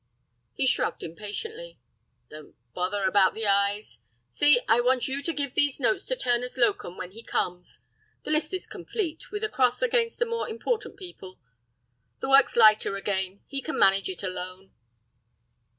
He shrugged impatiently. "Don't bother about the eyes. See, I want you to give these notes to Turner's locum when he comes. The list is complete, with a cross against the more important people. The work's lighter again; he can manage it alone."